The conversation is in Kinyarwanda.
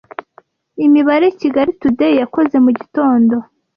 imibare Kigali Today yakoze mu gitondo